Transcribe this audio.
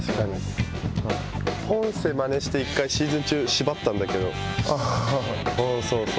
ポンセまねして、１回シーズン中、縛ったんだけど、そうそう。